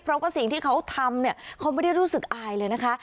เพราะว่าสิ่งที่เขาทำเนี่ยเขาไม่ได้รู้สึกอายเลยนะคะ